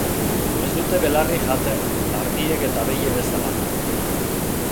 Ez dute belarrik jaten, ardiek eta behiek bezala.